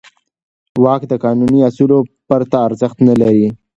واک د قانوني اصولو پرته ارزښت نه لري.